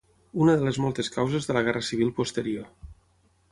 Una de les moltes causes de la guerra civil posterior.